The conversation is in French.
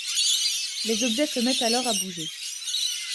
Les objets se mettent alors à bouger.